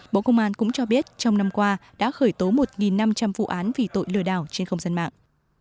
bộ công an cũng cho biết trong năm qua đã khởi tố một năm trăm linh vụ án vì tội lừa đảo trên không gian mạng